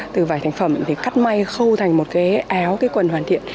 từ vải thành phẩm thì cắt may khâu thành một cái áo cái quần hoàn thiện